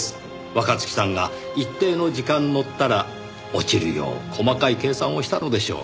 若月さんが一定の時間乗ったら落ちるよう細かい計算をしたのでしょう。